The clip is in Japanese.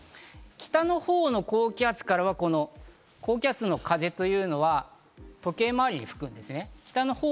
北のほうの高気圧からは高気圧の風というのは時計回りに吹くんですね。